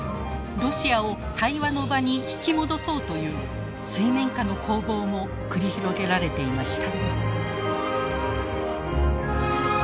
ロシアを対話の場に引き戻そうという水面下の攻防も繰り広げられていました。